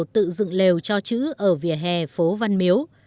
tự dựng lều cho chữ ở vỉa hè phố văn miếu